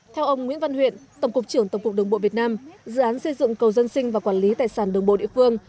theo ông nguyễn văn huyện tổng cục trưởng tổng cục đường bộ việt nam dự án xây dựng cầu dân sinh và quản lý tài sản đường bộ địa phương